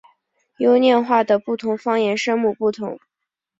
优念话的不同方言声母不同。